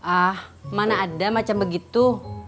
ah mana ada macam begitu